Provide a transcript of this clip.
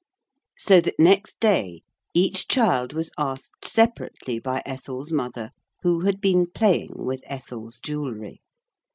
So that next day each child was asked separately by Ethel's mother who had been playing with Ethel's jewelry.